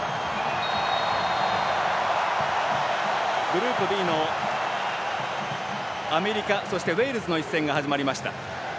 グループＢのアメリカウェールズの一戦が始まりました。